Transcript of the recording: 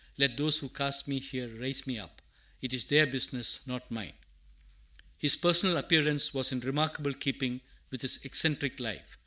"Let those who cast me here raise me up. It is their business, not mine." His personal appearance was in remarkable keeping with his eccentric life.